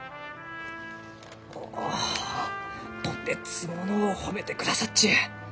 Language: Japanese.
おおとてつものう褒めてくださっちゅう。